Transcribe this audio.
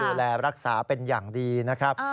ดูแลรักษาเป็นอย่างดีนะครับ